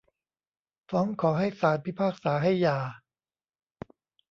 ฟ้องขอให้ศาลพิพากษาให้หย่า